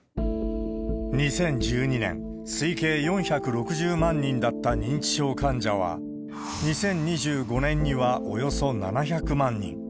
２０１２年、推計４６０万人だった認知症患者は、２０２５年にはおよそ７００万人。